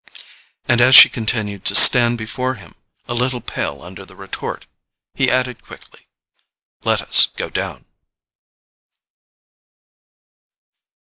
And as she continued to stand before him, a little pale under the retort, he added quickly: "Let us go down."